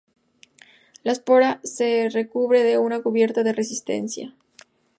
La espora se recubre de una cubierta de resistencia.